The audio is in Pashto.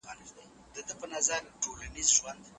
ذهني فشار ستړیا زیاتوي.